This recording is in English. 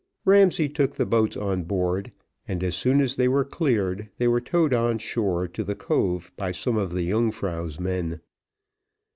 Ramsay took the boats on board, and, as soon as they were cleared, they were towed on shore to the cove by some of the Yungfrau's men.